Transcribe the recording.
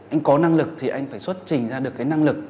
anh có năng lực thì anh phải xuất trình ra được cái năng lực